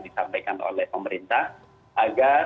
disampaikan oleh pemerintah agar